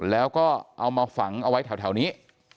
แล้วก็เอามาฝังเอาไว้แถวนี้